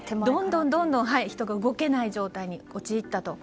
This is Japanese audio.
どんどん人が動けない状態に陥ったと。